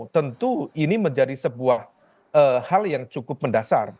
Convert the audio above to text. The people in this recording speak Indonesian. tentu ini menjadi sebuah hal yang cukup mendasar